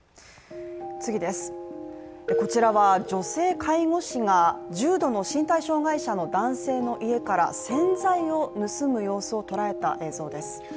こちらは女性介護士が重度の身体障害者の男性の家から洗剤を盗む様子を捉えた映像です。